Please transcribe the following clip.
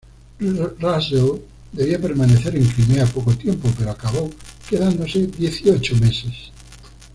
Russell debía permanecer en Crimea poco tiempo, pero acabó quedándose dieciocho meses.